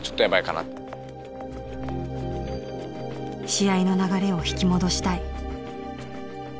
試合の流れを引き戻したい。